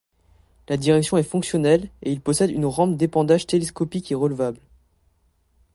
La direction est fonctionnelle, et il possède une rampe d'épandage télescopique et relevable.